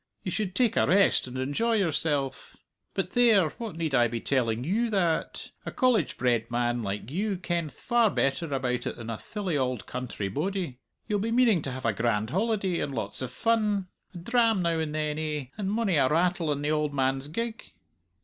You should take a rest and enjoy yourself. But there! what need I be telling you that? A College bred man like you kenth far better about it than a thilly auld country bodie! You'll be meaning to have a grand holiday and lots o' fun a dram now and then, eh, and mony a rattle in the auld man's gig?"